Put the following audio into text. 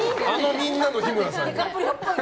みんなの日村さんよ。